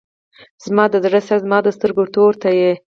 زما د زړه سره زما د سترګو توره ته یې.